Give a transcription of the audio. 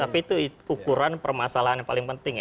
tapi itu ukuran permasalahan yang paling penting ya